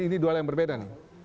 ini dua hal yang berbeda nih